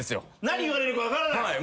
何言われるか分からない。